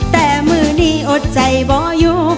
แต่มือนี้อดใจบ่อยู่